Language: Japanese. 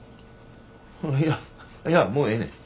いやいやもうええねん。